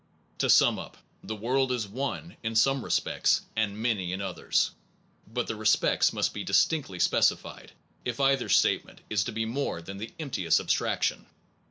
To sum up, the world is one in some re spects, and many in others. But the respects must be distinctly specified, if either statement is to be more than the emptiest abstraction.